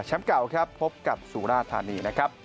แชมป์เก่าครับพบกับสูราธารณีนะครับ